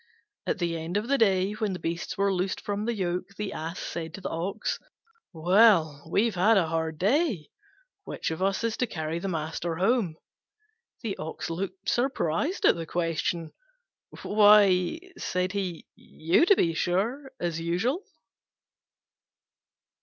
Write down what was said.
At the end of the day, when the beasts were loosed from the yoke, the Ass said to the Ox, "Well, we've had a hard day: which of us is to carry the master home?" The Ox looked surprised at the question. "Why," said he, "you, to be sure, as usual."